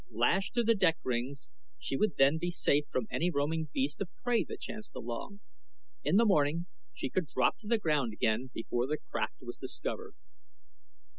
Lashed to the deck rings she would then be safe from any roaming beast of prey that chanced along. In the morning she could drop to the ground again before the craft was discovered.